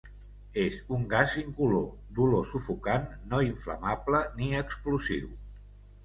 És un gas incolor d'olor sufocant, no inflamable ni explosiu.